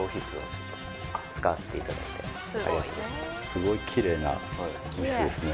すごい奇麗なオフィスですね。